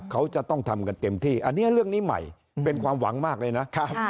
เขาจะต้องทำกันเต็มที่อันนี้เรื่องนี้ใหม่เป็นความหวังมากเลยนะ